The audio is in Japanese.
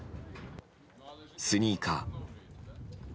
スニーカー。